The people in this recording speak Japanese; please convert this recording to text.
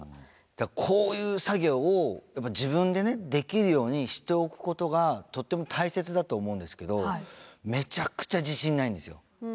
こういう作業を自分でねできるようにしておくことがとっても大切だと思うんですけどめちゃくちゃ自信ないんですよ。